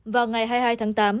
vào ngày hai mươi hai tháng tám